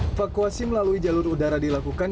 evakuasi melalui jalur udara dilakukan